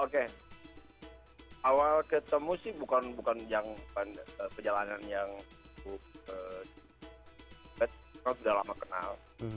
oke awal ketemu sih bukan perjalanan yang cukup sudah lama kenal